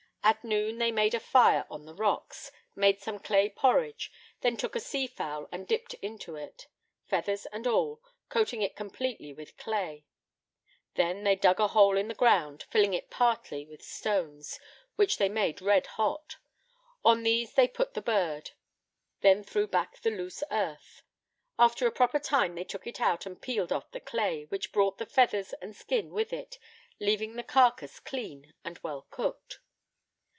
At noon they made a fire on the rocks, made some clay porridge, then took a sea fowl and dipped into it, feathers and all, coating it completely with clay; they then dug a hole in the ground, filling it partly with stones, which they made red hot; on these they put the bird, then threw back the loose earth. After a proper time they took it out, and peeled off the clay, which brought the feathers and skin with it, leaving the carcass clean and well cooked.